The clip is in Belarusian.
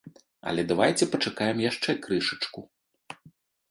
Але давайце пачакаем яшчэ крышачку.